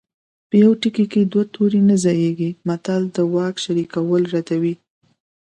په یوه تیکي کې دوه تورې نه ځاییږي متل د واک شریکول ردوي